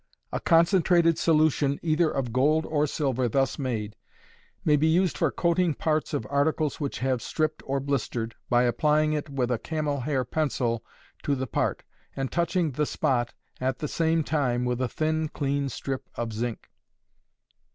A concentrated solution either of gold or silver thus made, may be used for coating parts of articles which have stripped or blistered, by applying it with a camel hair pencil to the part, and touching the spot at the same time with a thin clean strip of zinc.